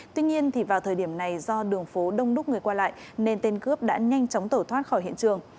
tuy nhiên vào thời điểm này do đường phố đông đúc người qua lại nên tên cướp đã nhanh chóng tẩu thoát khỏi hiện trường